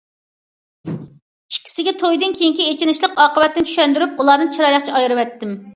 ئىككىسىگە تويدىن كېيىنكى ئېچىنىشلىق ئاقىۋەتنى چۈشەندۈرۈپ، ئۇلارنى چىرايلىقچە ئايرىۋەتتىم.